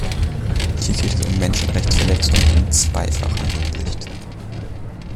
Hier geht es um Menschenrechtsverletzung in zweifacher Hinsicht.